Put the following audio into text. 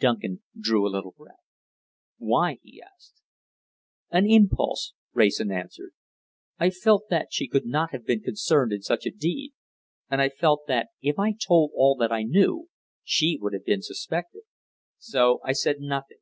Duncan drew a little breath. "Why?" he asked. "An impulse," Wrayson answered. "I felt that she could not have been concerned in such a deed, and I felt that if I told all that I knew, she would have been suspected. So I said nothing.